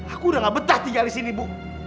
aku udah gak betah tinggal disini ibu